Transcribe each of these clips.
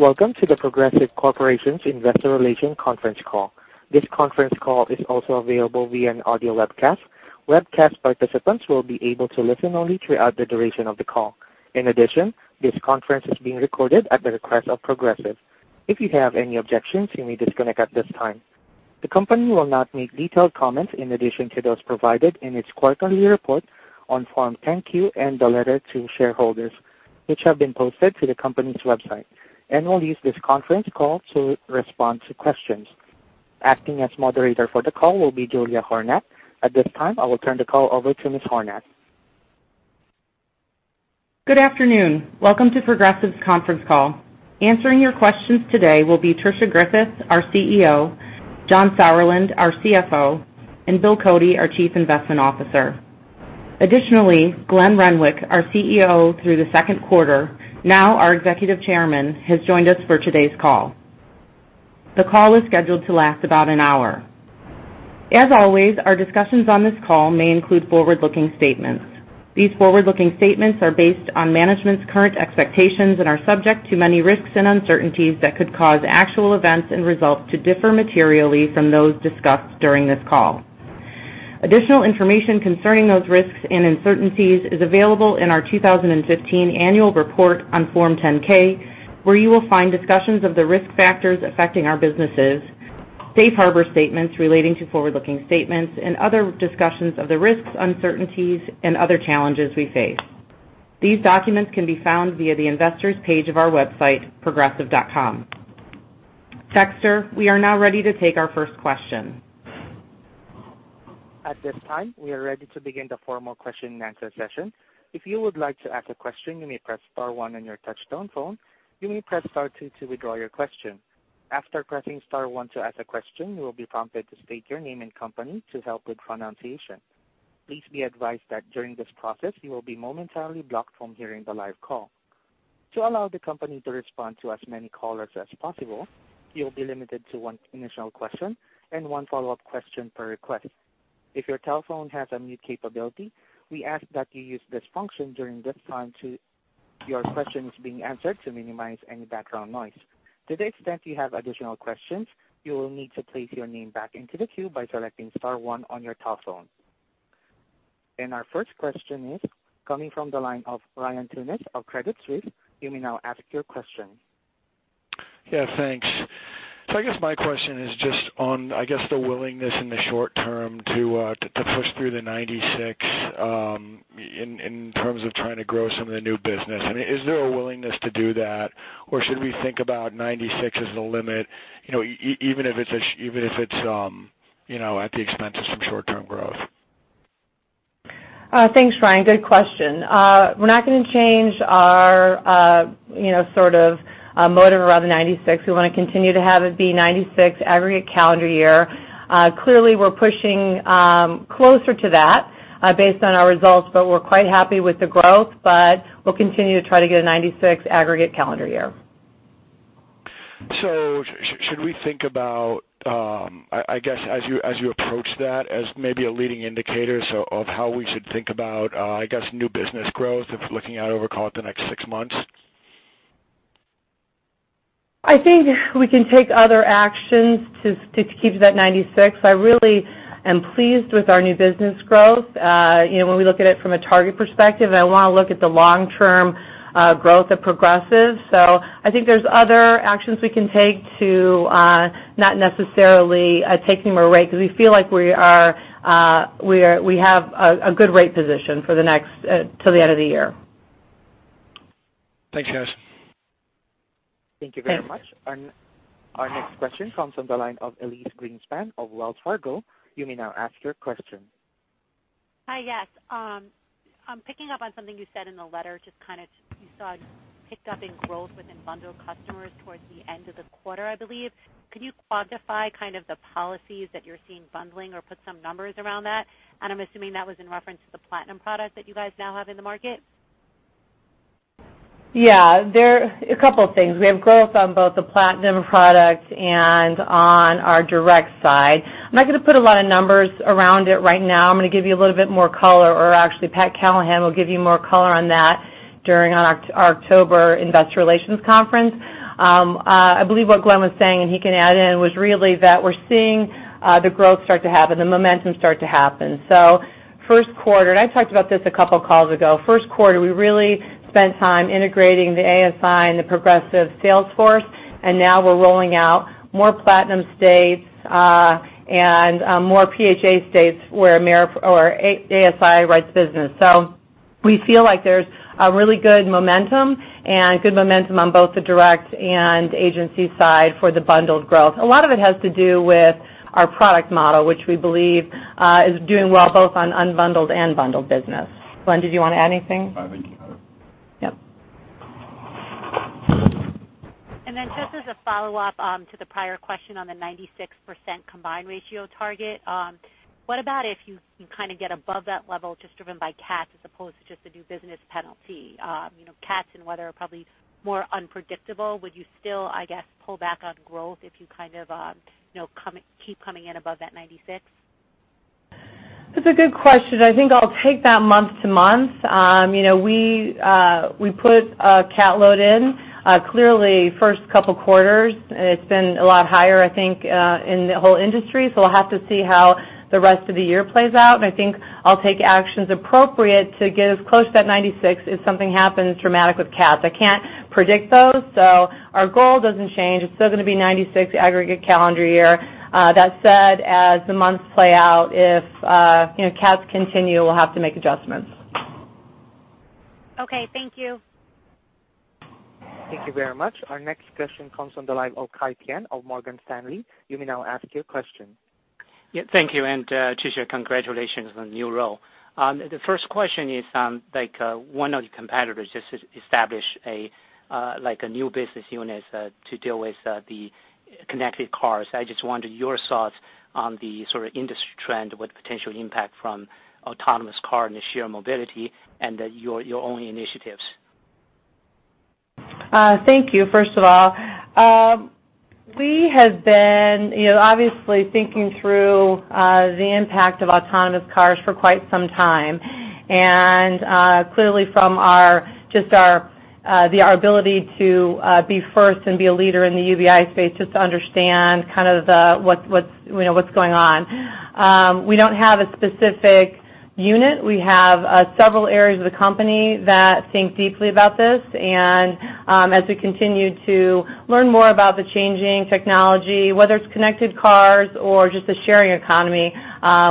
Welcome to The Progressive Corporation investor relations conference call. This conference call is also available via an audio webcast. Webcast participants will be able to listen only throughout the duration of the call. In addition, this conference is being recorded at the request of Progressive. If you have any objections, you may disconnect at this time. The company will not make detailed comments in addition to those provided in its quarterly report on Form 10-Q and the letter to shareholders, which have been posted to the company's website, will use this conference call to respond to questions. Acting as moderator for the call will be Julia Hornack. At this time, I will turn the call over to Ms. Hornack. Good afternoon. Welcome to Progressive's conference call. Answering your questions today will be Tricia Griffith, our CEO, John Sauerland, our CFO, and Bill Cote, our Chief Investment Officer. Additionally, Glenn Renwick, our CEO through the second quarter, now our Executive Chairman, has joined us for today's call. The call is scheduled to last about an hour. As always, our discussions on this call may include forward-looking statements. These forward-looking statements are based on management's current expectations and are subject to many risks and uncertainties that could cause actual events and results to differ materially from those discussed during this call. Additional information concerning those risks and uncertainties is available in our 2015 Annual Report on Form 10-K, where you will find discussions of the risk factors affecting our businesses, safe harbor statements relating to forward-looking statements, and other discussions of the risks, uncertainties, and other challenges we face. These documents can be found via the investors page of our website, progressive.com. Dexter, we are now ready to take our first question. At this time, we are ready to begin the formal question and answer session. If you would like to ask a question, you may press star one on your touchtone phone. You may press star two to withdraw your question. After pressing star one to ask a question, you will be prompted to state your name and company to help with pronunciation. Please be advised that during this process, you will be momentarily blocked from hearing the live call. To allow the company to respond to as many callers as possible, you will be limited to one initial question and one follow-up question per request. If your telephone has a mute capability, we ask that you use this function during the time your question is being answered to minimize any background noise. To the extent you have additional questions, you will need to place your name back into the queue by selecting star one on your telephone. Our first question is coming from the line of Ryan Tunis of Credit Suisse. You may now ask your question. Yeah, thanks. I guess my question is just on, I guess, the willingness in the short term to push through the 96, in terms of trying to grow some of the new business. Is there a willingness to do that, or should we think about 96 as the limit even if it's at the expense of some short-term growth? Thanks, Ryan. Good question. We're not going to change our motive around the 96. We want to continue to have it be 96 aggregate calendar year. Clearly, we're pushing closer to that based on our results, but we're quite happy with the growth. We'll continue to try to get a 96 aggregate calendar year. Should we think about, I guess, as you approach that, as maybe a leading indicator of how we should think about, I guess, new business growth if looking out over, call it, the next six months? I think we can take other actions to keep that 96. I really am pleased with our new business growth. When we look at it from a target perspective, I want to look at the long term growth of Progressive. I think there's other actions we can take to not necessarily take any more rate, because we feel like we have a good rate position till the end of the year. Thanks, guys. Thank you very much. Thanks. Our next question comes from the line of Elyse Greenspan of Wells Fargo. You may now ask your question. Hi, yes. I'm picking up on something you said in the letter, just you saw a pick up in growth within bundle customers towards the end of the quarter, I believe. Could you quantify kind of the policies that you're seeing bundling or put some numbers around that? I'm assuming that was in reference to the Platinum product that you guys now have in the market. Yeah. A couple of things. We have growth on both the Platinum products and on our direct side. I'm not going to put a lot of numbers around it right now. I'm going to give you a little bit more color, or actually, Pat Callahan will give you more color on that during our October investor relations conference. I believe what Glenn was saying, and he can add in, was really that we're seeing the growth start to happen, the momentum start to happen. First quarter, and I talked about this a couple of calls ago, first quarter, we really spent time integrating the ASI and the Progressive sales force, and now we're rolling out more Platinum states, and more PHA states where ASI writes business. We feel like there's a really good momentum, and good momentum on both the direct and agency side for the bundled growth. A lot of it has to do with our product model, which we believe is doing well both on unbundled and bundled business. Glenn, did you want to add anything? I think you covered it. Yep. Just as a follow-up to the prior question on the 96% combined ratio target, what about if you kind of get above that level just driven by cats as opposed to just the new business penalty? Cats and weather are probably more unpredictable. Would you still, I guess, pull back on growth if you kind of keep coming in above that 96? That's a good question. I think I'll take that month to month. We put a cat load in. Clearly, first couple quarters, it's been a lot higher, I think, in the whole industry, so we'll have to see how the rest of the year plays out. I think I'll take actions appropriate to get as close to that 96 if something happens dramatic with cats. I can't predict those, so our goal doesn't change. It's still going to be 96 aggregate calendar year. That said, as the months play out, if cats continue, we'll have to make adjustments. Okay, thank you. Thank you very much. Our next question comes from the line of Kai Tian of Morgan Stanley. You may now ask your question. Thank you, and Tricia, congratulations on the new role. The first question is, one of the competitors just established a new business unit to deal with the connected cars. I just wondered your thoughts on the industry trend with potential impact from autonomous car and the share mobility and your own initiatives. Thank you, first of all. We have been obviously thinking through the impact of autonomous cars for quite some time, and clearly from our ability to be first and be a leader in the UBI space, just to understand what's going on. We don't have a specific unit. We have several areas of the company that think deeply about this. As we continue to learn more about the changing technology, whether it's connected cars or just the sharing economy,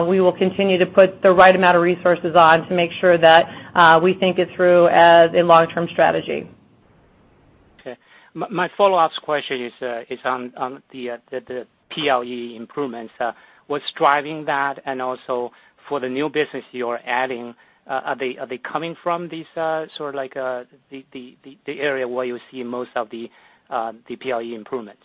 we will continue to put the right amount of resources on to make sure that we think it through as a long-term strategy. Okay. My follow-ups question is on the PLE improvements. What's driving that, and also for the new business you're adding, are they coming from the area where you see most of the PLE improvements?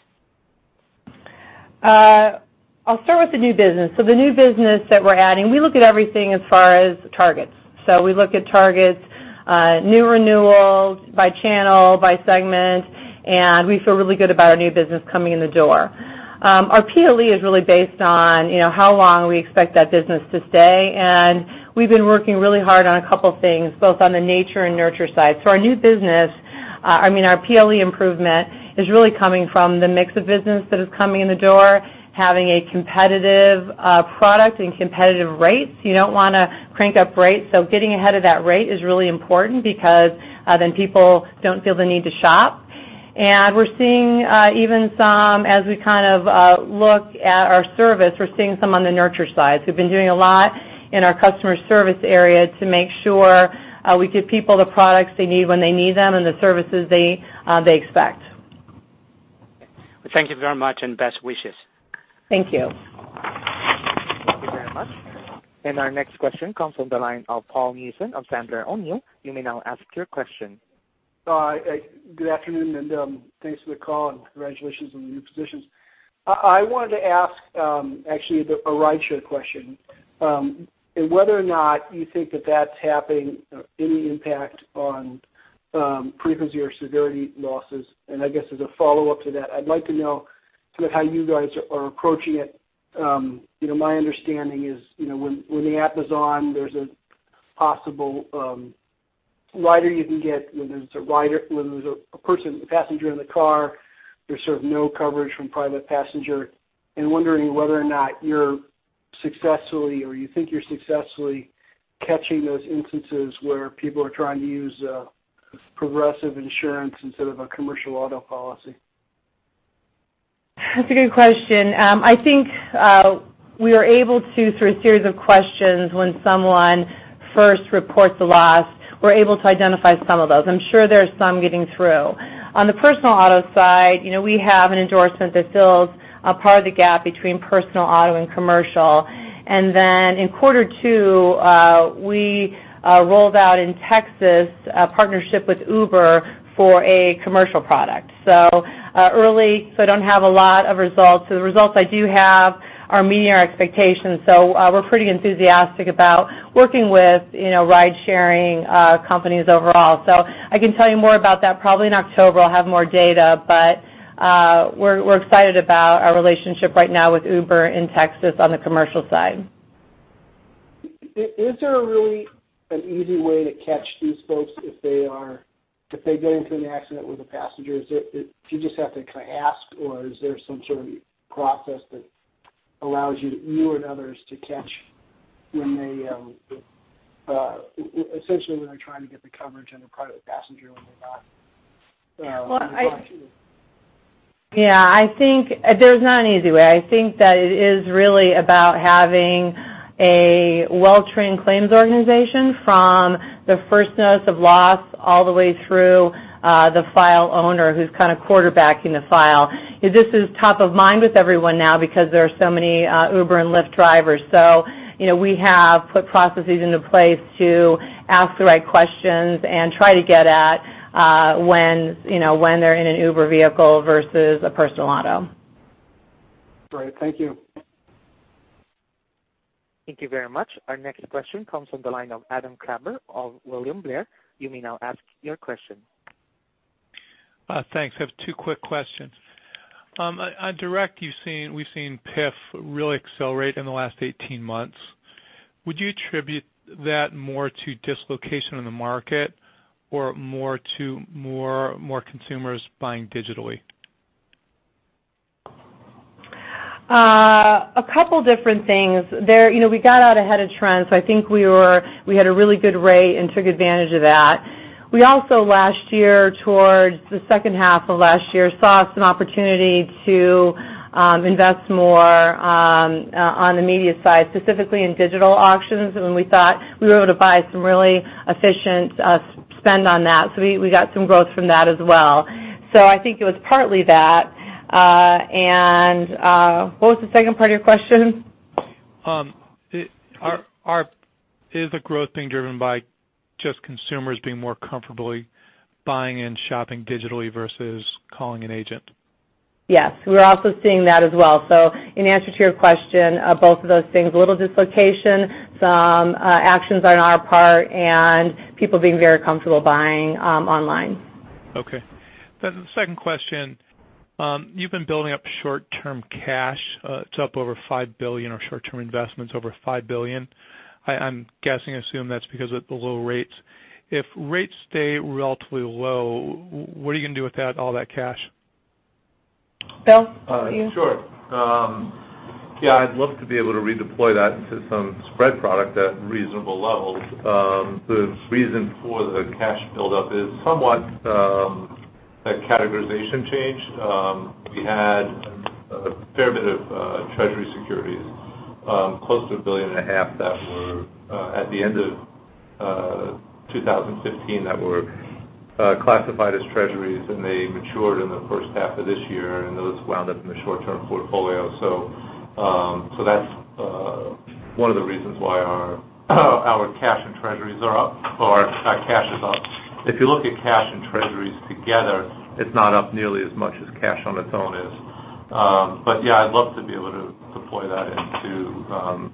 I'll start with the new business. The new business that we're adding, we look at everything as far as targets. We look at targets, new renewals by channel, by segment, and we feel really good about our new business coming in the door. Our PLE is really based on how long we expect that business to stay, and we've been working really hard on a couple things, both on the nature and nurture side. Our PLE improvement is really coming from the mix of business that is coming in the door, having a competitive product and competitive rates. You don't want to crank up rates, so getting ahead of that rate is really important because then people don't feel the need to shop. We're seeing even some, as we look at our service, we're seeing some on the nurture side. We've been doing a lot in our customer service area to make sure we give people the products they need when they need them and the services they expect. Thank you very much and best wishes. Thank you. Thank you very much. Our next question comes from the line of Paul Newsome of Sandler O'Neill. You may now ask your question. Good afternoon, thanks for the call and congratulations on the new positions. I wanted to ask actually a rideshare question, whether or not you think that that's having any impact on frequency or severity losses. I guess as a follow-up to that, I'd like to know sort of how you guys are approaching it. My understanding is when the app is on, there's a possible rider you can get, whether there's a person, a passenger in the car, there's sort of no coverage from private passenger. I'm wondering whether or not you're successfully, or you think you're successfully catching those instances where people are trying to use Progressive Insurance instead of a commercial auto policy. That's a good question. I think we are able to, through a series of questions when someone first reports a loss, we're able to identify some of those. I'm sure there are some getting through. On the personal auto side, we have an endorsement that fills a part of the gap between personal auto and commercial. Then in quarter two, we rolled out in Texas a partnership with Uber for a commercial product. Early, so I don't have a lot of results. The results I do have are meeting our expectations. We're pretty enthusiastic about working with ride sharing companies overall. I can tell you more about that probably in October, I'll have more data, but we're excited about our relationship right now with Uber in Texas on the commercial side. Is there really an easy way to catch these folks if they get into an accident with a passenger? Do you just have to kind of ask, or is there some sort of process that allows you and others to catch essentially when they're trying to get the coverage on a private passenger when they're not Yeah, I think there's not an easy way. I think that it is really about having a well-trained claims organization from the first notice of loss all the way through the file owner who's kind of quarterbacking the file. This is top of mind with everyone now because there are so many Uber and Lyft drivers. We have put processes into place to ask the right questions and try to get at when they're in an Uber vehicle versus a personal auto. Great. Thank you. Thank you very much. Our next question comes from the line of Adam Kramer of William Blair. You may now ask your question. Thanks. I have two quick questions. On direct, we've seen PIF really accelerate in the last 18 months. Would you attribute that more to dislocation in the market or more to more consumers buying digitally? A couple different things. We got out ahead of trends. I think we had a really good rate and took advantage of that. We also, last year, towards the second half of last year, saw some opportunity to invest more on the media side, specifically in digital auctions, and we thought we were able to buy some really efficient spend on that. We got some growth from that as well. I think it was partly that. What was the second part of your question? Is the growth being driven by just consumers being more comfortably buying and shopping digitally versus calling an agent? Yes. We're also seeing that as well. In answer to your question, both of those things, a little dislocation, some actions on our part, and people being very comfortable buying online. The second question. You've been building up short-term cash. It's up over $5 billion, or short-term investments over $5 billion. I'm guessing, I assume that's because of the low rates. If rates stay relatively low, what are you going to do with all that cash? Bill, you? Sure. Yeah, I'd love to be able to redeploy that into some spread product at reasonable levels. The reason for the cash buildup is somewhat a categorization change. We had a fair bit of treasury securities, close to $1.5 billion, at the end of 2015 that were classified as treasuries, and they matured in the first half of this year, and those wound up in the short-term portfolio. That's one of the reasons why our cash and treasuries are up, or our cash is up. If you look at cash and treasuries together, it's not up nearly as much as cash on its own is. Yeah, I'd love to be able to deploy that into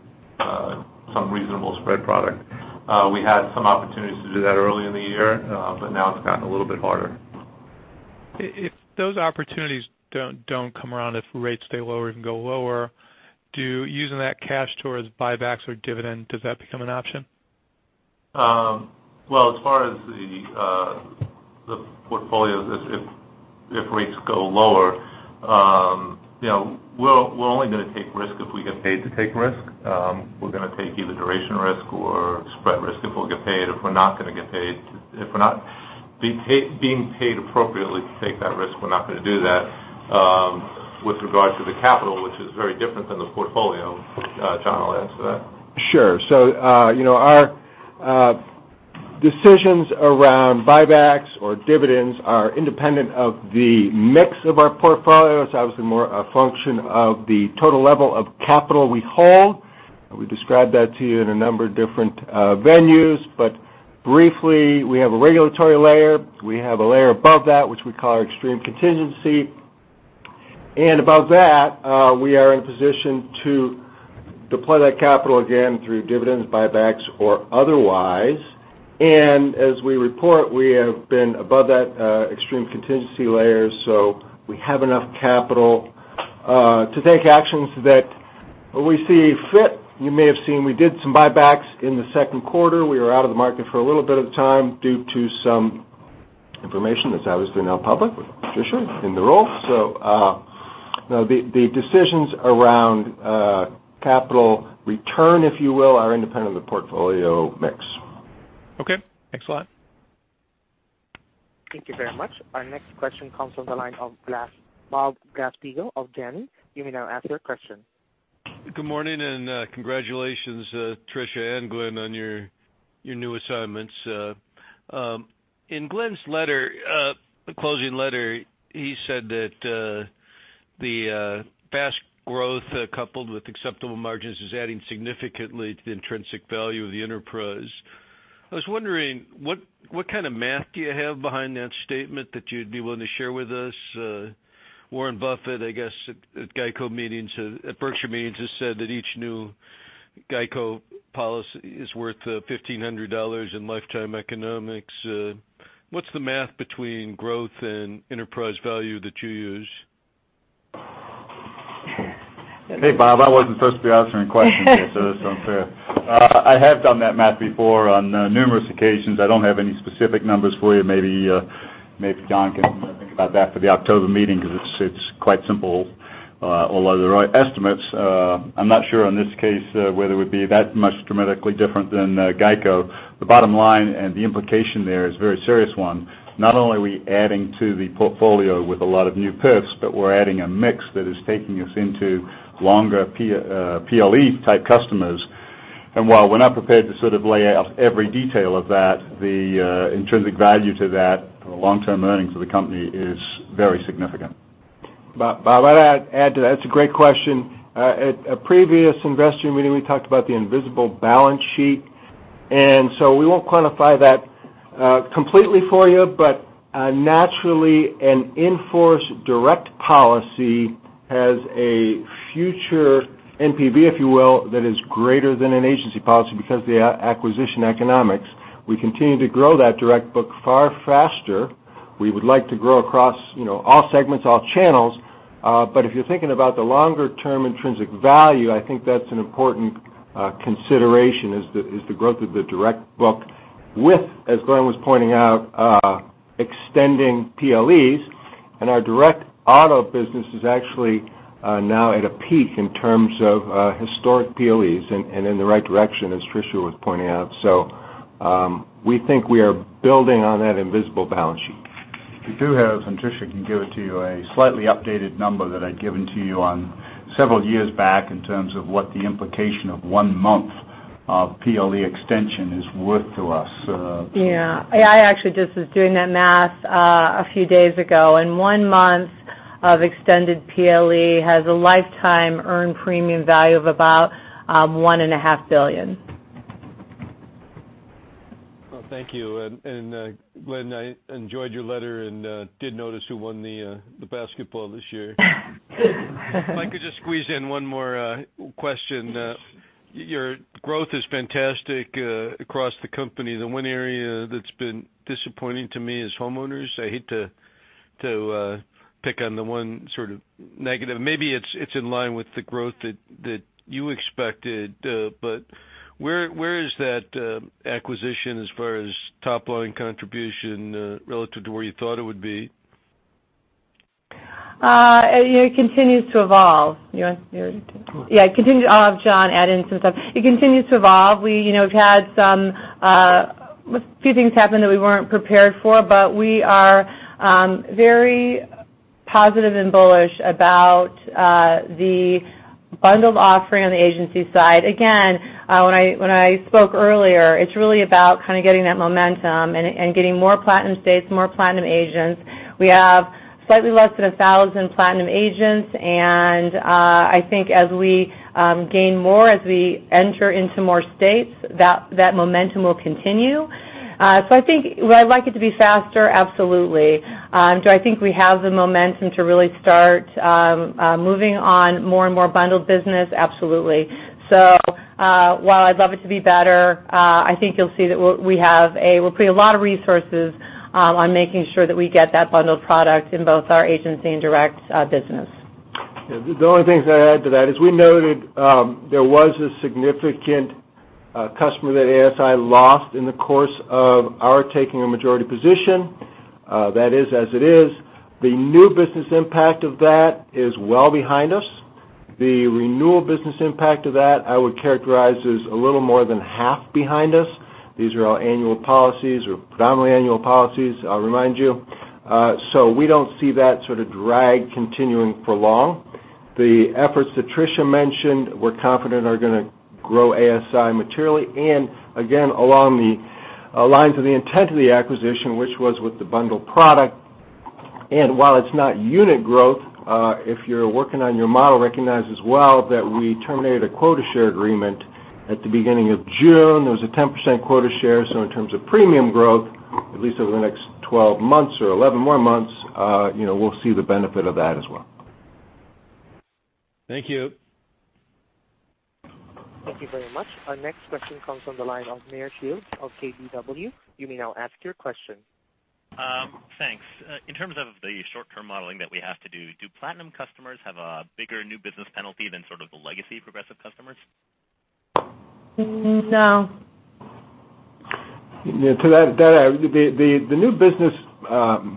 some reasonable spread product. We had some opportunities to do that early in the year, but now it's gotten a little bit harder. If those opportunities don't come around, if rates stay lower and go lower, using that cash towards buybacks or dividend, does that become an option? Well, as far as the portfolio, if rates go lower, we're only going to take risk if we get paid to take risk. We're going to take either duration risk or spread risk if we'll get paid. If we're not being paid appropriately to take that risk, we're not going to do that. With regard to the capital, which is very different than the portfolio, John will answer that. Sure. Our decisions around buybacks or dividends are independent of the mix of our portfolio. It's obviously more a function of the total level of capital we hold, and we describe that to you in a number of different venues. Briefly, we have a regulatory layer, we have a layer above that which we call our extreme contingency, and above that, we are in a position to deploy that capital again through dividends, buybacks, or otherwise. As we report, we have been above that extreme contingency layer, so we have enough capital to take actions that we see fit. You may have seen we did some buybacks in the second quarter. We were out of the market for a little bit of time due to some information that's obviously now public with Tricia in the role. The decisions around capital return, if you will, are independent of portfolio mix. Okay. Thanks a lot. Thank you very much. Our next question comes from the line of Bob Grefsheim of Janney. You may now ask your question. Good morning, and congratulations, Tricia and Glenn, on your new assignments. In Glenn's closing letter, he said that the fast growth coupled with acceptable margins is adding significantly to the intrinsic value of the enterprise. I was wondering, what kind of math do you have behind that statement that you'd be willing to share with us? Warren Buffett, I guess, at Berkshire meetings has said that each new GEICO policy is worth $1,500 in lifetime economics. What's the math between growth and enterprise value that you use? Hey, Bob, I wasn't supposed to be answering questions here, so that's unfair. I have done that math before on numerous occasions. I don't have any specific numbers for you. Maybe John can think about that for the October meeting because it's quite simple, although they're estimates. I'm not sure in this case whether it would be that much dramatically different than GEICO. The bottom line and the implication there is a very serious one. Not only are we adding to the portfolio with a lot of new PIFS, but we're adding a mix that is taking us into longer PLE type customers. While we're not prepared to sort of lay out every detail of that, the intrinsic value to that for the long-term earnings of the company is very significant. Bob, I'd add to that. It's a great question. At a previous investor meeting, we talked about the invisible balance sheet. We won't quantify that completely for you, but naturally an in-force direct policy has a future NPV, if you will, that is greater than an agency policy because of the acquisition economics. We continue to grow that direct book far faster. We would like to grow across all segments, all channels. If you're thinking about the longer-term intrinsic value, I think that's an important consideration, is the growth of the direct book with, as Glenn was pointing out, extending PLEs. Our direct auto business is actually now at a peak in terms of historic PLEs and in the right direction, as Tricia was pointing out. We think we are building on that invisible balance sheet. We do have, and Tricia can give it to you, a slightly updated number that I'd given to you on several years back in terms of what the implication of one month of PLE extension is worth to us. Yeah. I actually just was doing that math a few days ago, and one month of extended PLE has a lifetime earned premium value of about one and a half billion dollars. Well, thank you. Glenn, I enjoyed your letter and did notice who won the basketball this year. If I could just squeeze in one more question. Yes. Your growth is fantastic across the company. The one area that's been disappointing to me is homeowners. I hate to pick on the one negative. Maybe it's in line with the growth that you expected. Where is that acquisition as far as top-line contribution relative to where you thought it would be? It continues to evolve. You want me to? Go on. It continues to, I'll have John add in some stuff. It continues to evolve. We've had a few things happen that we weren't prepared for, but we are very positive and bullish about the bundled offering on the agency side. Again, when I spoke earlier, it's really about getting that momentum and getting more Platinum states, more Platinum agents. We have slightly less than 1,000 Platinum agents, and I think as we gain more, as we enter into more states, that momentum will continue. I think, would I like it to be faster? Absolutely. Do I think we have the momentum to really start moving on more and more bundled business? Absolutely. While I'd love it to be better, I think you'll see that we'll put a lot of resources on making sure that we get that bundled product in both our agency and direct business. The only things I'd add to that is we noted there was a significant customer that ASI lost in the course of our taking a majority position. That is as it is. The new business impact of that is well behind us. The renewal business impact of that I would characterize as a little more than half behind us. These are our annual policies, or predominantly annual policies, I'll remind you. We don't see that sort of drag continuing for long. The efforts that Tricia mentioned, we're confident are going to grow ASI materially, and again, along the lines of the intent of the acquisition, which was with the bundled product. While it's not unit growth, if you're working on your model, recognize as well that we terminated a quota share agreement at the beginning of June. There was a 10% quota share, in terms of premium growth, at least over the next 12 months or 11 more months, we'll see the benefit of that as well. Thank you. Thank you very much. Our next question comes on the line of Meyer Shields of KBW. You may now ask your question. Thanks. In terms of the short-term modeling that we have to do Platinum customers have a bigger new business penalty than sort of the legacy Progressive customers? No. To that, the new business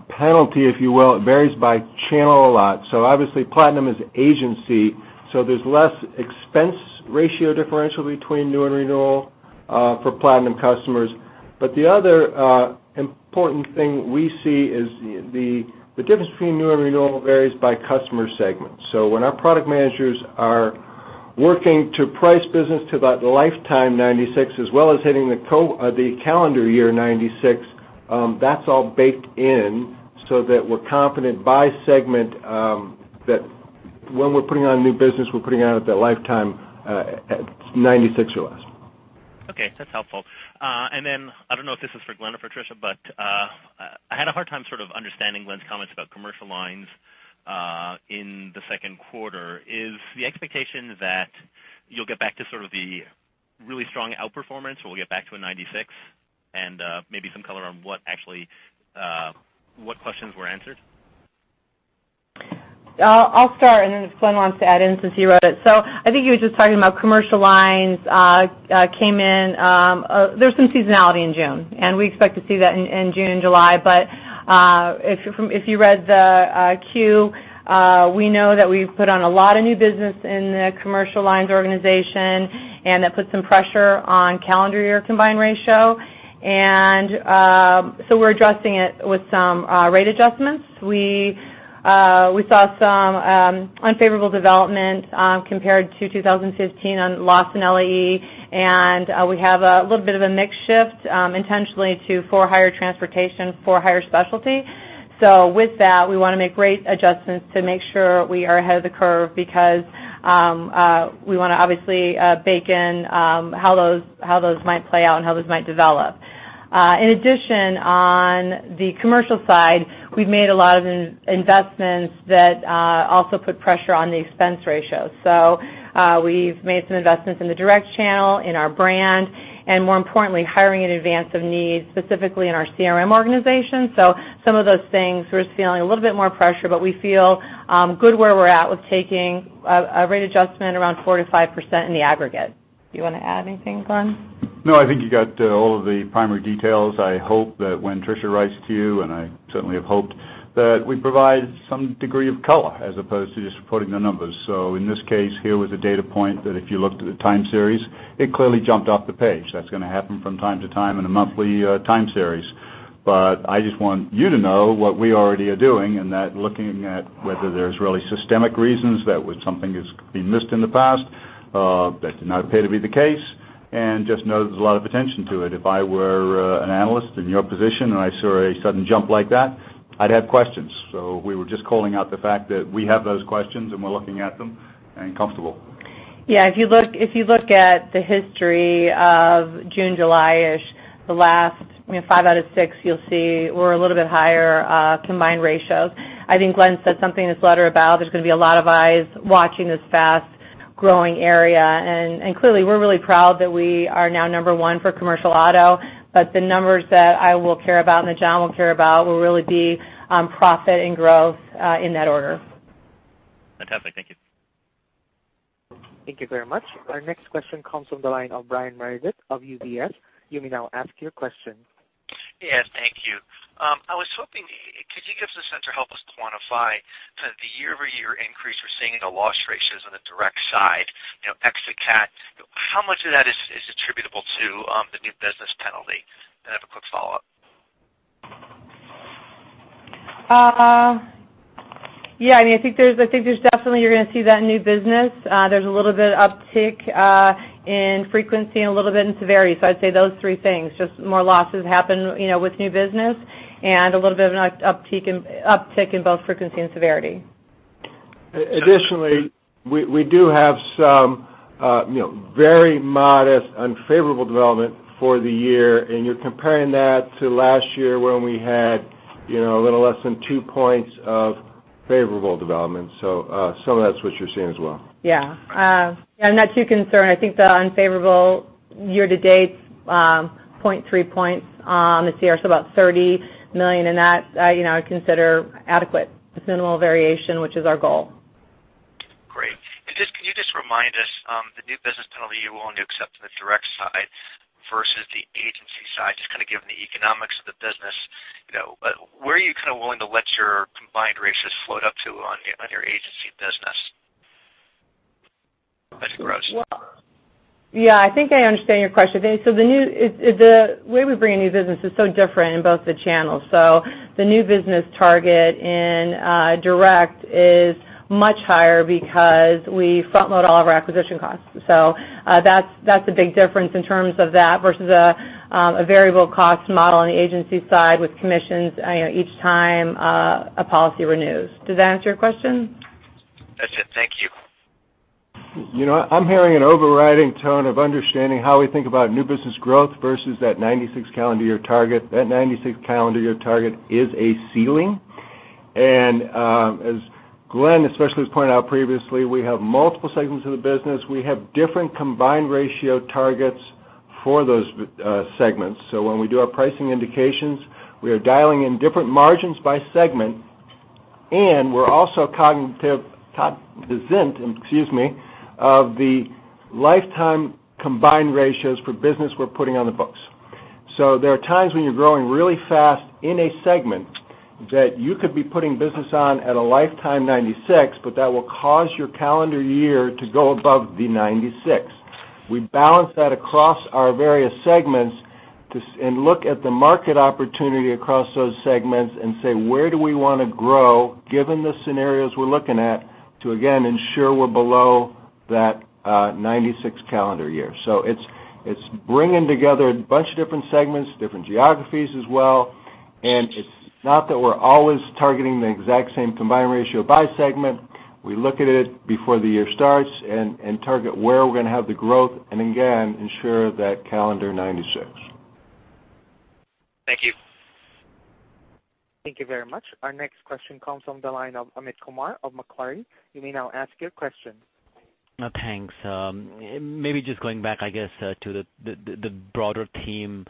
penalty, if you will, varies by channel a lot. Obviously Platinum is agency, there's less expense ratio differential between new and renewal for Platinum customers. The other important thing we see is the difference between new and renewal varies by customer segment. When our product managers are working to price business to that lifetime 96 as well as hitting the calendar year 96, that's all baked in so that we're confident by segment that when we're putting on new business, we're putting on at that lifetime, at 96 or less. Okay. That's helpful. Then I don't know if this is for Glenn or for Tricia, but I had a hard time sort of understanding Glenn's comments about commercial lines in the second quarter. Is the expectation that you'll get back to sort of the really strong outperformance, or we'll get back to a 96, and maybe some color on what questions were answered? I'll start. If Glenn wants to add in since he wrote it. I think he was just talking about commercial lines. There's some seasonality in June. We expect to see that in June and July. If you read the Q, we know that we've put on a lot of new business in the commercial lines organization. That put some pressure on calendar year combined ratio. We're addressing it with some rate adjustments. We saw some unfavorable development compared to 2015 on loss and LAE. We have a little bit of a mix shift intentionally to for-hire transportation, for-hire specialty. With that, we want to make rate adjustments to make sure we are ahead of the curve because we want to obviously bake in how those might play out and how those might develop. In addition, on the commercial side, we've made a lot of investments that also put pressure on the expense ratio. We've made some investments in the direct channel, in our brand, and more importantly, hiring in advance of need, specifically in our CRM organization. Some of those things, we're feeling a little bit more pressure, but we feel good where we're at with taking a rate adjustment around 4%-5% in the aggregate. Do you want to add anything, Glenn? No, I think you got all of the primary details. I hope that when Tricia writes to you, I certainly have hoped, that we provide some degree of color as opposed to just reporting the numbers. In this case, here was a data point that if you looked at a time series, it clearly jumped off the page. That's going to happen from time to time in a monthly time series. I just want you to know what we already are doing, looking at whether there's really systemic reasons that something is being missed in the past, that did not appear to be the case. Just know there's a lot of attention to it. If I were an analyst in your position and I saw a sudden jump like that, I'd have questions. We were just calling out the fact that we have those questions, we're looking at them and comfortable. Yeah. If you look at the history of June, July-ish, the last five out of six, you will see we are a little bit higher combined ratios. I think Glenn said something in his letter about there is going to be a lot of eyes watching this fast-growing area. Clearly, we are really proud that we are now number one for commercial auto. The numbers that I will care about and that John will care about will really be profit and growth, in that order. Fantastic. Thank you. Thank you very much. Our next question comes from the line of Brian Morawiec of UBS. You may now ask your question. Yeah, thank you. I was hoping, could you give us a sense or help us quantify kind of the year-over-year increase we are seeing in the loss ratios on the direct side, ex the cat? How much of that is attributable to the new business penalty? I have a quick follow-up. Yeah. I think definitely you're going to see that in new business. There's a little bit of uptick in frequency and a little bit in severity. I'd say those three things, just more losses happen with new business and a little bit of an uptick in both frequency and severity. Additionally, we do have some very modest unfavorable development for the year. You're comparing that to last year when we had a little less than two points of favorable development. Some of that's what you're seeing as well. Yeah. I'm not too concerned. I think the unfavorable year to date's 0.3 points on this year, about $30 million. That I consider adequate with minimal variation, which is our goal. Great. Can you just remind us, the new business penalty you're willing to accept on the direct side versus the agency side, just kind of given the economics of the business, where are you kind of willing to let your combined ratios float up to on your agency business? I think I understand your question. The way we bring in new business is so different in both the channels. The new business target in Direct is much higher because we front-load all of our acquisition costs. That's a big difference in terms of that versus a variable cost model on the agency side with commissions each time a policy renews. Does that answer your question? That's it. Thank you. I'm hearing an overriding tone of understanding how we think about new business growth versus that 96 calendar year target. That 96 calendar year target is a ceiling. As Glenn especially has pointed out previously, we have multiple segments of the business. We have different combined ratio targets for those segments. When we do our pricing indications, we are dialing in different margins by segment, and we're also cognitive of the lifetime combined ratios for business we're putting on the books. There are times when you're growing really fast in a segment that you could be putting business on at a lifetime 96, but that will cause your calendar year to go above the 96. We balance that across our various segments and look at the market opportunity across those segments and say, "Where do we want to grow given the scenarios we're looking at to, again, ensure we're below that 96 calendar year?" It's bringing together a bunch of different segments, different geographies as well. It's not that we're always targeting the exact same combined ratio by segment. We look at it before the year starts and target where we're going to have the growth and again, ensure that calendar 96. Thank you. Thank you very much. Our next question comes from the line of Amit Kumar of Macquarie. You may now ask your question. Thanks. Maybe just going back, I guess, to the broader team.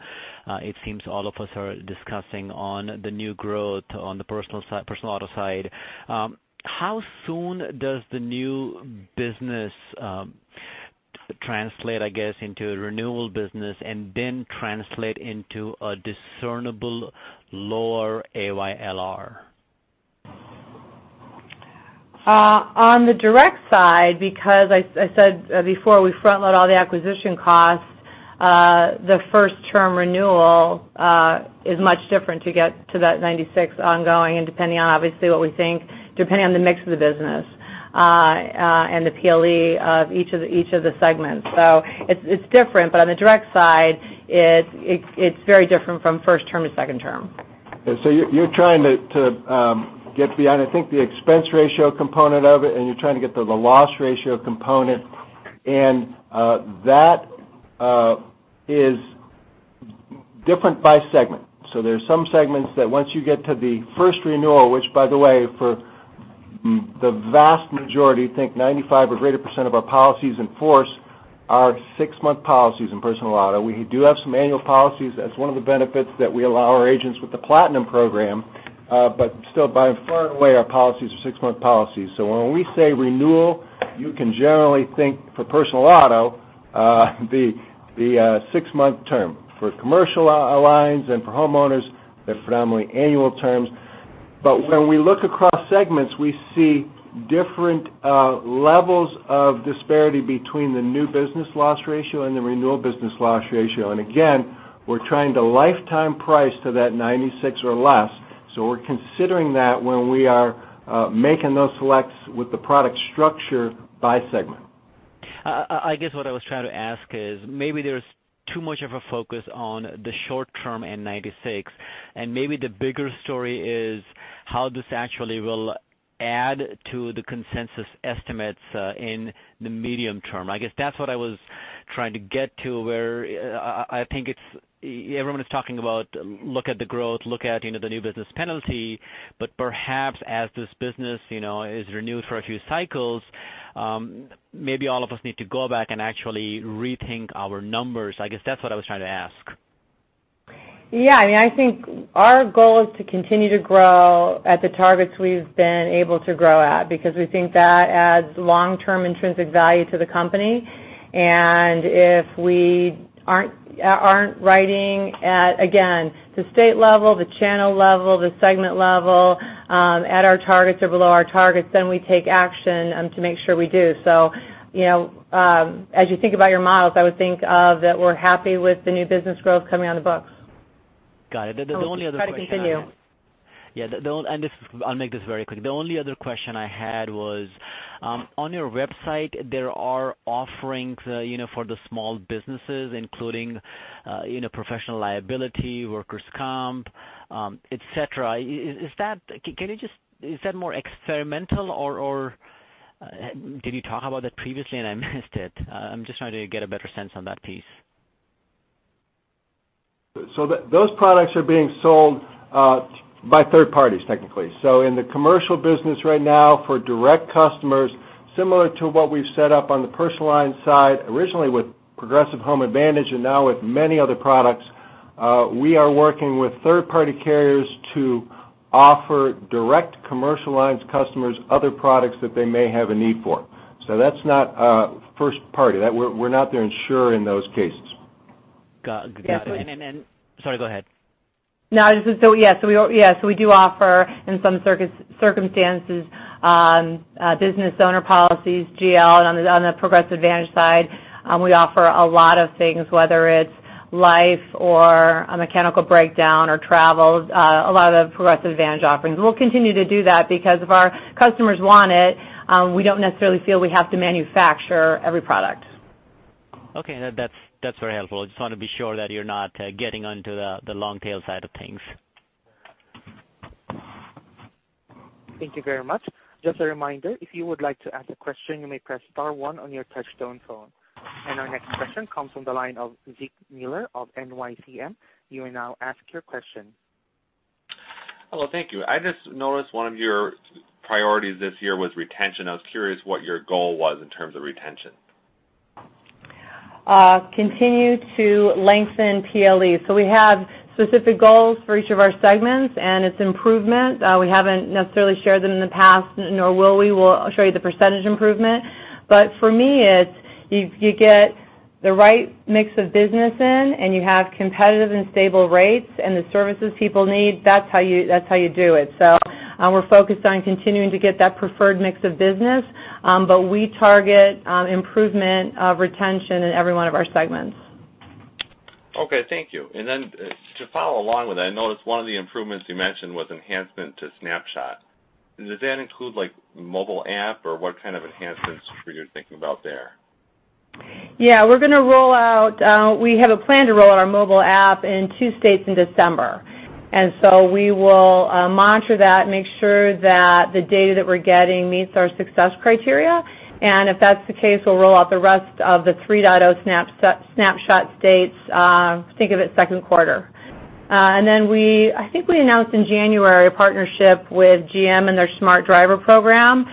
It seems all of us are discussing on the new growth on the personal auto side. How soon does the new business translate, I guess, into renewal business and then translate into a discernible lower AYLR? On the direct side, because I said before, we front-load all the acquisition costs, the first term renewal is much different to get to that 96 ongoing and depending on obviously what we think, depending on the mix of the business, and the PLE of each of the segments. It's different, but on the direct side, it's very different from first term to second term. You're trying to get beyond, I think, the expense ratio component of it, and you're trying to get to the loss ratio component. That is different by segment. There are some segments that once you get to the first renewal, which by the way, for the vast majority, think 95% or greater of our policies in force are six-month policies in personal auto. We do have some annual policies as one of the benefits that we allow our agents with the Platinum program, but still by far and away, our policies are six-month policies. When we say renewal, you can generally think for personal auto, the six-month term. For commercial lines and for homeowners, they're predominantly annual terms. When we look across segments, we see different levels of disparity between the new business loss ratio and the renewal business loss ratio. Again, we're trying to lifetime price to that 96 or less. We're considering that when we are making those selects with the product structure by segment. I guess what I was trying to ask is maybe there's too much of a focus on the short term and 96, and maybe the bigger story is how this actually will add to the consensus estimates in the medium term. I guess that's what I was trying to get to, where I think everyone is talking about look at the growth, look at the new business penalty. Perhaps as this business is renewed for a few cycles, maybe all of us need to go back and actually rethink our numbers. I guess that's what I was trying to ask. I think our goal is to continue to grow at the targets we've been able to grow at, because we think that adds long-term intrinsic value to the company. If we aren't riding at, again, the state level, the channel level, the segment level, at our targets or below our targets, then we take action to make sure we do. As you think about your models, I would think that we're happy with the new business growth coming on the books. Got it. The only other thing. I'll just try to continue. I'll make this very quick. The only other question I had was, on your website, there are offerings for the small businesses, including professional liability, workers' comp, et cetera. Is that more experimental, or did you talk about that previously and I missed it? I'm just trying to get a better sense on that piece. Those products are being sold by third parties, technically. In the commercial business right now for direct customers, similar to what we've set up on the personal line side, originally with Progressive Home Advantage and now with many other products, we are working with third party carriers to offer direct commercial lines customers other products that they may have a need for. That's not first party. We're not the insurer in those cases. Got it. Yeah. Sorry, go ahead. No. We do offer, in some circumstances, business owner policies, GL on the Progressive Advantage side. We offer a lot of things, whether it's life or a mechanical breakdown or travel, a lot of Progressive Advantage offerings. We'll continue to do that because if our customers want it, we don't necessarily feel we have to manufacture every product. Okay. That's very helpful. I just want to be sure that you're not getting onto the long tail side of things. Thank you very much. Just a reminder, if you would like to ask a question, you may press star one on your touchtone phone. Our next question comes from the line of Zeke Mueller of NYCM Insurance. You may now ask your question. Hello, thank you. I just noticed one of your priorities this year was retention. I was curious what your goal was in terms of retention. Continue to lengthen PLE. We have specific goals for each of our segments, and it's improvement. We haven't necessarily shared them in the past, nor will we. We'll show you the % improvement. For me, it's you get the right mix of business in, and you have competitive and stable rates and the services people need. That's how you do it. We're focused on continuing to get that preferred mix of business. We target improvement of retention in every one of our segments. Okay, thank you. To follow along with that, I noticed one of the improvements you mentioned was enhancement to Snapshot. Does that include mobile app, or what kind of enhancements were you thinking about there? Yeah, we have a plan to roll out our mobile app in two states in December. We will monitor that, make sure that the data that we're getting meets our success criteria. If that's the case, we'll roll out the rest of the 3.0 Snapshot states, think of it second quarter. I think we announced in January a partnership with GM and their Smart Driver program,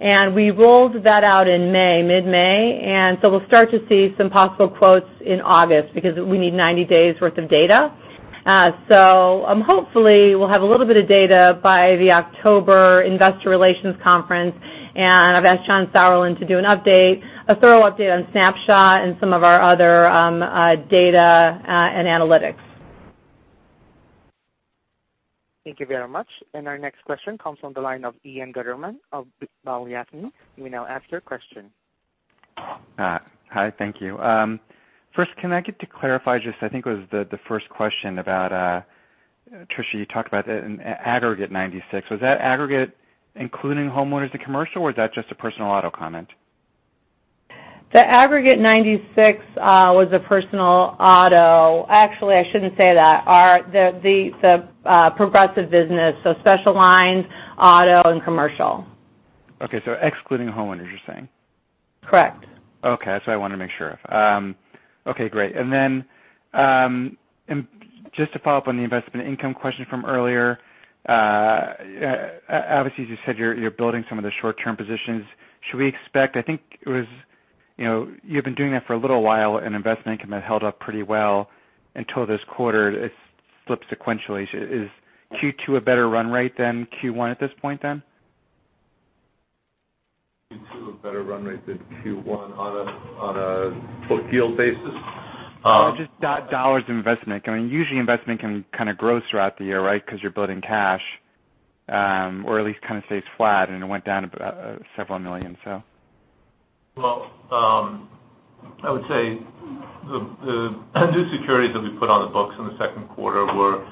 and we rolled that out in mid-May. We'll start to see some possible quotes in August because we need 90 days worth of data. Hopefully we'll have a little bit of data by the October investor relations conference. I've asked John Sauerland to do a thorough update on Snapshot and some of our other data and analytics. Thank you very much. Our next question comes from the line of Ian Gutterman of Balyasny. You may now ask your question. Hi, thank you. First, can I get to clarify just I think it was the first question about, Tricia, you talked about an aggregate 96. Was that aggregate including homeowners and commercial, or is that just a personal auto comment? The aggregate 96 was a personal auto. Actually, I shouldn't say that. The Progressive business, so special lines, auto, and commercial. Okay. Excluding homeowners, you're saying? Correct. Okay. That's what I wanted to make sure of. Okay, great. Then, just to follow up on the investment income question from earlier. Obviously, as you said, you're building some of the short-term positions. You've been doing that for a little while, and investment income had held up pretty well until this quarter, it flipped sequentially. Is Q2 a better run rate than Q1 at this point then? Q2 a better run rate than Q1 on a book yield basis? Just dollars investment. I mean, usually, investment can kind of grow throughout the year, right? Because you're building cash, or at least kind of stays flat, and it went down about $ several million. Well, I would say the new securities that we put on the books in the second quarter were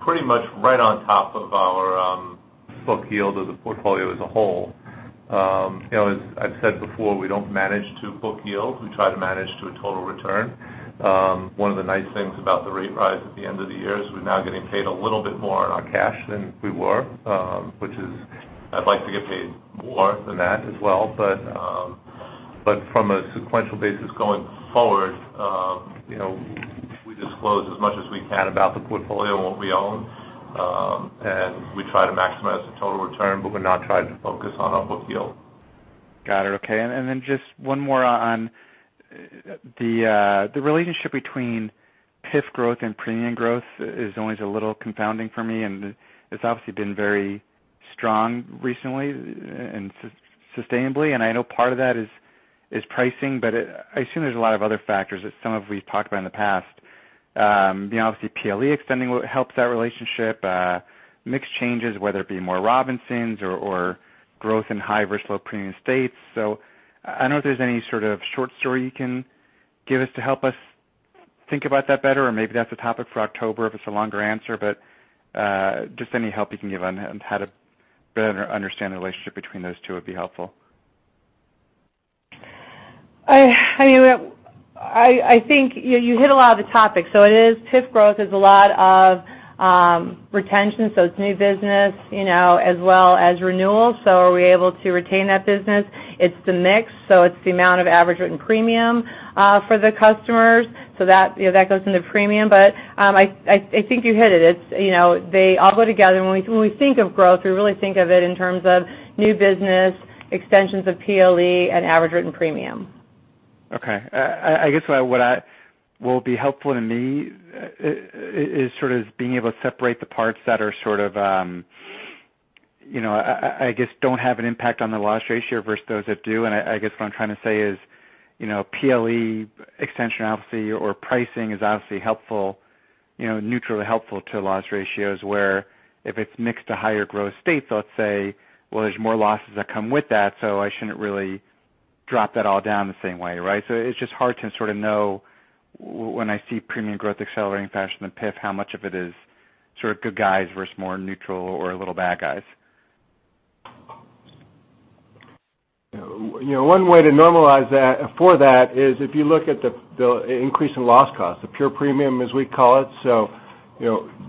pretty much right on top of our book yield of the portfolio as a whole. As I've said before, we don't manage to book yield. We try to manage to a total return. One of the nice things about the rate rise at the end of the year is we're now getting paid a little bit more on our cash than we were, which is, I'd like to get paid more than that as well. From a sequential basis going forward, we disclose as much as we can about the portfolio and what we own. We try to maximize the total return, but we're not trying to focus on a book yield. Got it. Okay. Just one more on the relationship between PIF growth and premium growth is always a little confounding for me, and it's obviously been very strong recently and sustainably, and I know part of that is pricing, but I assume there's a lot of other factors that some of we've talked about in the past. Obviously, PLE extending helps that relationship. Mix changes, whether it be more Robinsons or growth in high-risk, low-premium states. I don't know if there's any sort of short story you can give us to help us think about that better. Maybe that's a topic for October if it's a longer answer, but just any help you can give on how to better understand the relationship between those two would be helpful. I think you hit a lot of the topics. PIF growth is a lot of retention, it's new business as well as renewals. Are we able to retain that business? It's the mix, it's the amount of average written premium for the customers. That goes into premium. I think you hit it. They all go together, and when we think of growth, we really think of it in terms of new business, extensions of PLE, and average written premium. Okay. I guess what will be helpful to me is sort of being able to separate the parts that are sort of, I guess, don't have an impact on the loss ratio versus those that do. I guess what I'm trying to say is, PLE extension obviously, or pricing is obviously helpful, neutrally helpful to loss ratios, where if it's mixed to higher growth states, let's say, well, there's more losses that come with that, I shouldn't really drop that all down the same way, right? It's just hard to sort of know when I see premium growth accelerating faster than PIF, how much of it is sort of good guys versus more neutral or a little bad guys. One way to normalize for that is if you look at the increase in loss cost, the pure premium, as we call it.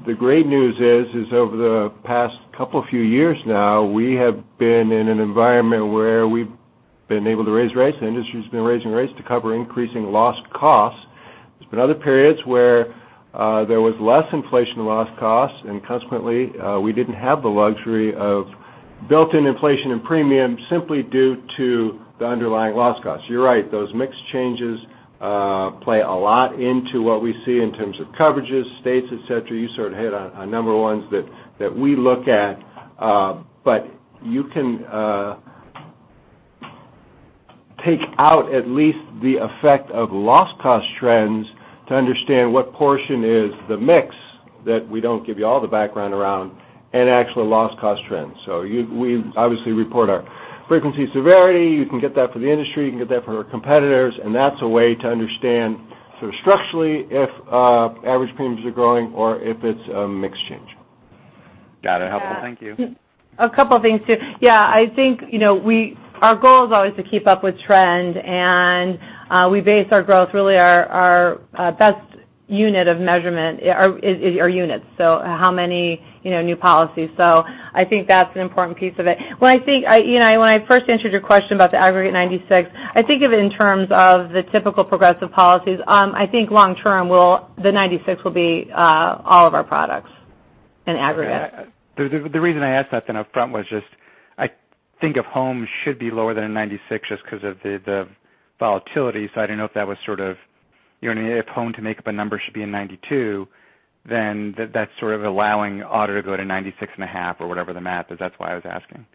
The great news is, over the past couple few years now, we have been in an environment where we've been able to raise rates. The industry's been raising rates to cover increasing loss costs. There's been other periods where there was less inflation loss costs and consequently, we didn't have the luxury of built-in inflation and premium simply due to the underlying loss costs. You're right, those mix changes play a lot into what we see in terms of coverages, states, et cetera. You sort of hit on a number of ones that we look at. You can take out at least the effect of loss cost trends to understand what portion is the mix that we don't give you all the background around and actual loss cost trends. We obviously report our frequency severity. You can get that for the industry, you can get that for our competitors, and that's a way to understand structurally if average premiums are growing or if it's a mix change. Got it. Helpful. Thank you. A couple of things, too. I think our goal is always to keep up with trend, and we base our growth, really our best unit of measurement is our units, so how many new policies. I think that's an important piece of it. When I first answered your question about the aggregate 96, I think of it in terms of the typical Progressive policies. I think long term the 96 will be all of our products in aggregate. The reason I asked that then upfront was just I think of home should be lower than a 96 just because of the volatility. I didn't know if that was sort of, if home to make up a number should be a 92, then that's sort of allowing auto to go to 96 and a half or whatever the math is. That's why I was asking.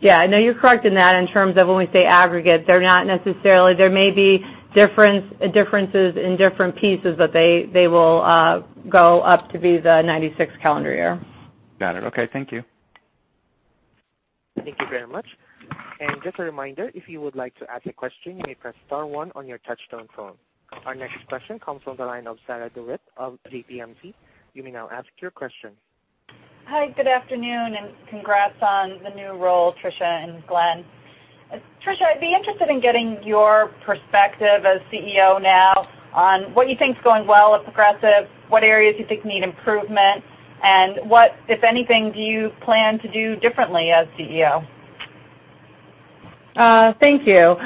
Yeah, no, you're correct in that. In terms of when we say aggregate, they're not necessarily. There may be differences in different pieces, but they will go up to be the 96 calendar year. Got it. Okay. Thank you. Thank you very much. Just a reminder, if you would like to ask a question, you may press star one on your touchtone phone. Our next question comes from the line of Sarah DeWitt of JPMC. You may now ask your question. Hi. Good afternoon. Congrats on the new role, Tricia and Glenn. Tricia, I'd be interested in getting your perspective as CEO now on what you think is going well at Progressive, what areas you think need improvement, and what, if anything, do you plan to do differently as CEO? Thank you.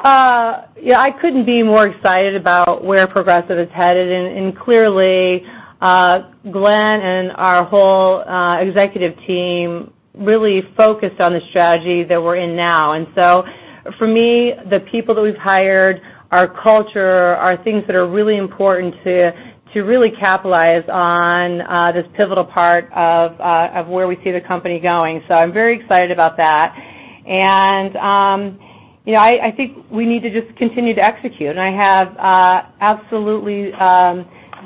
I couldn't be more excited about where Progressive is headed. Clearly, Glenn and our whole executive team really focused on the strategy that we're in now. For me, the people that we've hired, our culture, are things that are really important to really capitalize on this pivotal part of where we see the company going. I'm very excited about that. I think we need to just continue to execute, and I have absolutely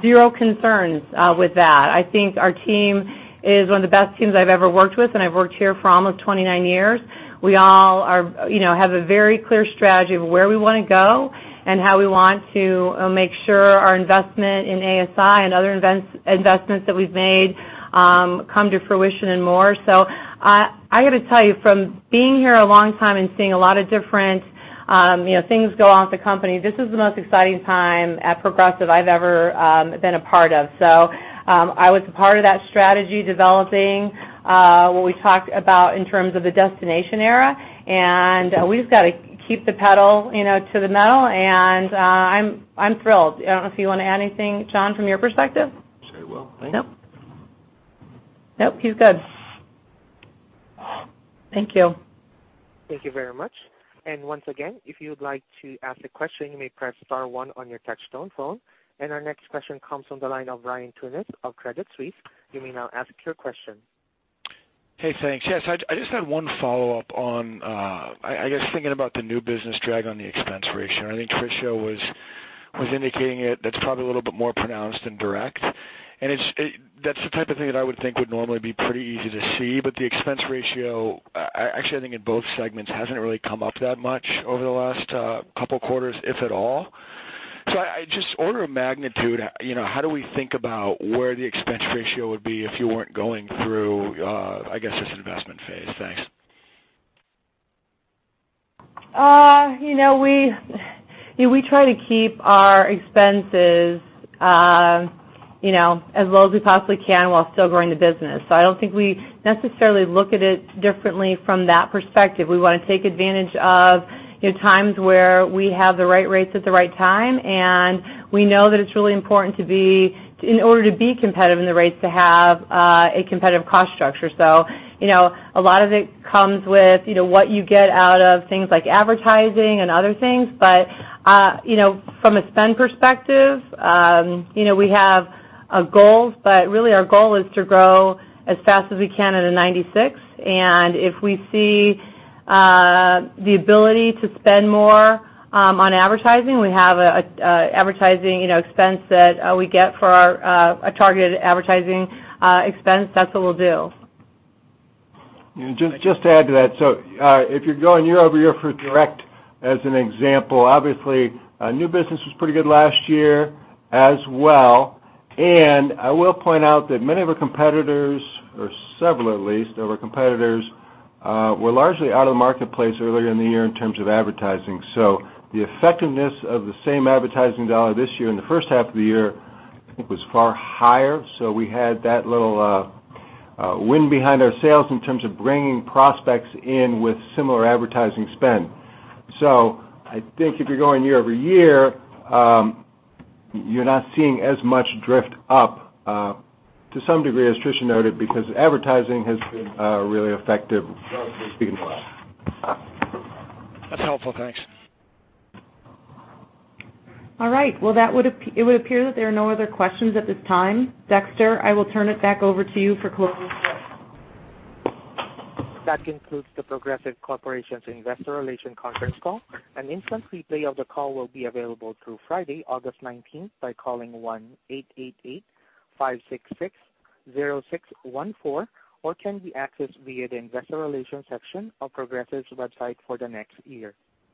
zero concerns with that. I think our team is one of the best teams I've ever worked with, and I've worked here for almost 29 years. We all have a very clear strategy of where we want to go and how we want to make sure our investment in ASI and other investments that we've made come to fruition and more. I got to tell you, from being here a long time and seeing a lot of different things go on with the company, this is the most exciting time at Progressive I've ever been a part of. I was a part of that strategy developing, what we talked about in terms of the destination era, and we've just got to keep the pedal to the metal, and I'm thrilled. I don't know if you want to add anything, John, from your perspective. Very well, thank you. Nope, he's good. Thank you. Thank you very much. Once again, if you would like to ask a question, you may press star one on your touchtone phone. Our next question comes from the line of Ryan Tunis of Credit Suisse. You may now ask your question. Hey, thanks. Yes, I just had one follow-up on, I guess, thinking about the new business drag on the expense ratio. I think Tricia was indicating it, that's probably a little bit more pronounced than direct. That's the type of thing that I would think would normally be pretty easy to see, but the expense ratio, actually, I think in both segments, hasn't really come up that much over the last couple quarters, if at all. Just order of magnitude, how do we think about where the expense ratio would be if you weren't going through, I guess, this investment phase? Thanks. We try to keep our expenses as low as we possibly can while still growing the business. I don't think we necessarily look at it differently from that perspective. We want to take advantage of times where we have the right rates at the right time, and we know that it's really important, in order to be competitive in the rates, to have a competitive cost structure. A lot of it comes with what you get out of things like advertising and other things. From a spend perspective, we have goals, but really our goal is to grow as fast as we can at a 96. If we see the ability to spend more on advertising, we have a targeted advertising expense that we get for our targeted advertising expense, that's what we'll do. Just to add to that, if you're going year-over-year for direct, as an example, obviously, new business was pretty good last year as well. I will point out that many of our competitors, or several at least of our competitors, were largely out of the marketplace earlier in the year in terms of advertising. The effectiveness of the same advertising dollar this year in the first half of the year, I think, was far higher. We had that little wind behind our sails in terms of bringing prospects in with similar advertising spend. I think if you're going year-over-year, you're not seeing as much drift up to some degree, as Tricia noted, because advertising has been really effective relatively speaking last. That's helpful. Thanks. All right. Well, it would appear that there are no other questions at this time. Dexter, I will turn it back over to you for closing remarks. That concludes The Progressive Corporation's Investor Relations conference call. An instant replay of the call will be available through Friday, August 19th by calling 1-888-566-0614 or can be accessed via the investor relations section of Progressive's website for the next year.